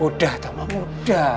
udah tamam udah